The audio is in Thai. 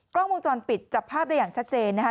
กล้องวงจรปิดจับภาพได้อย่างชัดเจนนะคะ